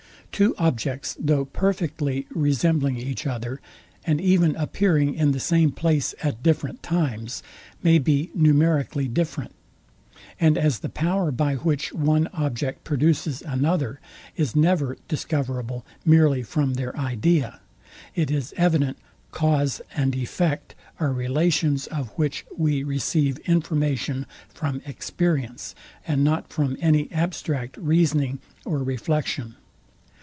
Two objects, though perfectly resembling each other, and even appearing in the same place at different times, may be numerically different: And as the power, by which one object produces another, is never discoverable merely from their idea, it is evident cause and effect are relations, of which we receive information from experience, and not from any abstract reasoning or reflection.